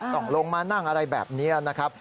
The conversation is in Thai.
ต้องลงมานั่งอะไรแบบนี้นะครับ